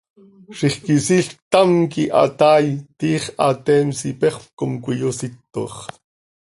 Zixquisiil ctam quih hataai, tiix hateems ipexöp com cöiyositox.